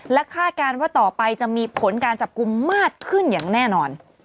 และคาดการณ์ว่าต่อไปจะมีผลการจับกลุ่มมากขึ้นอย่างแน่นอน